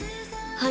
はい